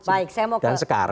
baik saya mau ke sekarang